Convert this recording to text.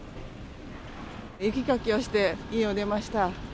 雪かきをして家を出ました。